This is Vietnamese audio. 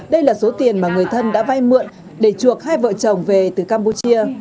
đây là số tiền mà người thân đã vay mượn để chuộc hai vợ chồng về từ campuchia